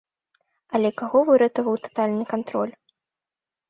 Але каго выратаваў татальны кантроль?